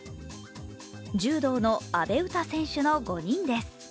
柔道の阿部詩選手の５人です。